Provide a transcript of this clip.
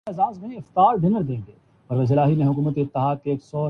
شکر ہے کہ آپ کا مسئلہ حل ہوگیا